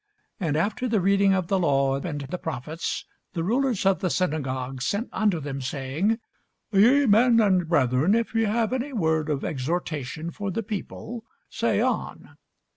And after the reading of the law and the prophets the rulers of the synagogue sent unto them, saying, Ye men and brethren, if ye have any word of exhortation for the people, say on.